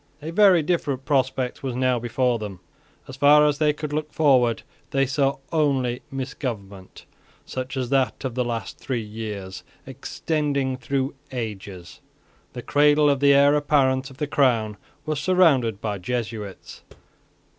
A very different prospect was now before them. As far as they could look forward they saw only misgovernment, such as that of the last three years, extending through ages. The cradle of the heir apparent of the crown was surrounded by Jesuits.